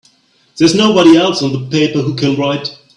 There's nobody else on the paper who can write!